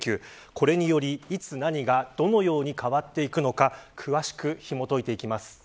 これにより、いつ何がどのように変わっていくのか詳しく、ひもといていきます。